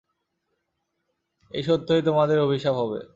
এই সত্যই তোমাদের অভিশাপ হবে।